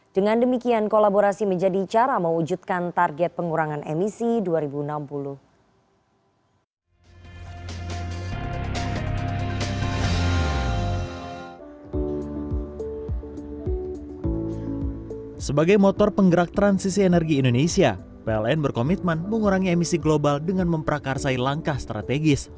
dengan demikian kolaborasi menjadi cara mewujudkan target pengurangan emisi dua ribu enam puluh